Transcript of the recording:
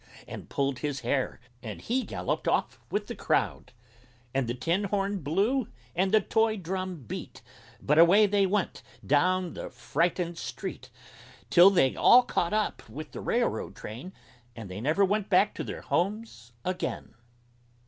and pulled his hair, And he galloped off with the crowd! And the Tin Horn blew and the Toy Drum beat, But away they went down the frightened street, Till they all caught up with the Railroad Train, And they never went back to their homes again!